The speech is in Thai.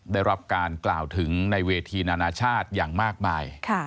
ได้รับการกล่าวถึงในเวทีนานาชาติอย่างมากมาย